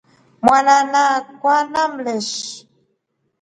Mwanana akwa alimleshi.